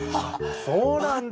そうなんだ。